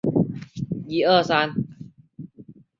敏象王国。